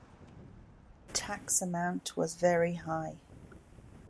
The tax amount was very high.